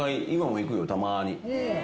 たまに。